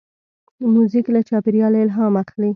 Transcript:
موزیک له چاپېریال الهام اخلي.